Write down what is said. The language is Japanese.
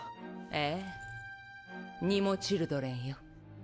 ええニモチルドレンよ。